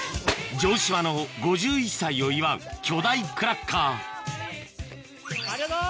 城島の５１歳を祝う巨大クラッカーありがとう！